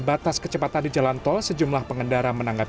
saya setuju aja